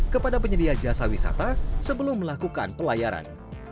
kepada penyedia jasa wisata sebelum melakukan pelayaran